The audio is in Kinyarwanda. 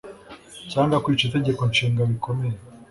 cyangwa kwica itegeko nshinga bikomeye